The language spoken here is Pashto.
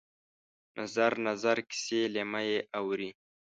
نظر، نظر کسي لېمه یې اورې